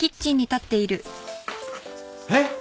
えっ！？